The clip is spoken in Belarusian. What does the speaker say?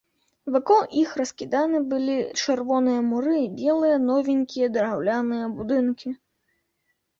Вакол іх раскіданы былі чырвоныя муры і белыя новенькія драўляныя будынкі.